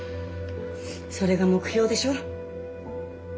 それが目標でしょ。